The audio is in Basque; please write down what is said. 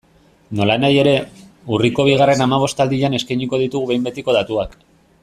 Nolanahi ere, urriko bigarren hamabostaldian eskainiko ditugu behin betiko datuak.